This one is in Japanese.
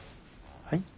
はい？